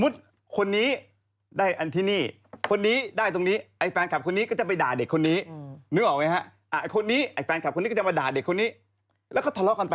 ที่อันดับอะไรที่มันรู้ว่าน่ารักทุกคน